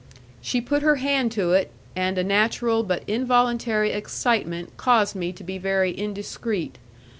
She put her hand to it, and a natural but involuntary excitement caused me to be very indiscreet.